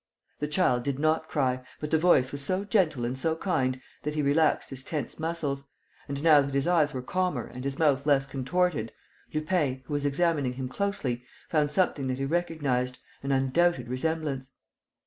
The child did not cry, but the voice was so gentle and so kind that he relaxed his tense muscles; and, now that his eyes were calmer and his mouth less contorted, Lupin, who was examining him closely, found something that he recognized, an undoubted resemblance.